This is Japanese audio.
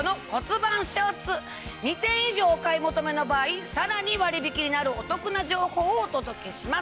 ２点以上お買い求めの場合さらに割引になるお得な情報をお届けします。